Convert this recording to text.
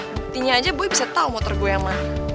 buktinya aja boy bisa tau motor gue yang mana